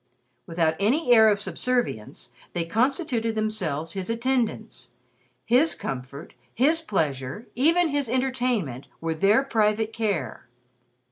Without any air of subservience, they constituted themselves his attendants. His comfort, his pleasure, even his entertainment, were their private care.